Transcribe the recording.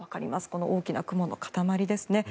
この大きな雲の塊ですね。